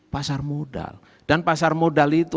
pasar modal dan pasar modal itu